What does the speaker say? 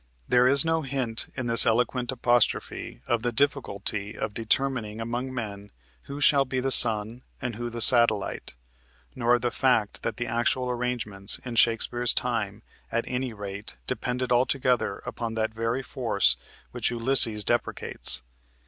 There is no hint in this eloquent apostrophe of the difficulty of determining among men who shall be the sun and who the satellite, nor of the fact that the actual arrangements, in Shakespeare's time, at any rate, depended altogether upon that very force which Ulysses deprecates.